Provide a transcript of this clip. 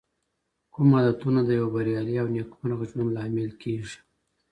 کوم عادتونه د یوه بریالي او نېکمرغه ژوند لامل کېږي؟